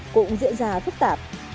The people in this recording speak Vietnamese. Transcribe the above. cũng diễn ra phức tạp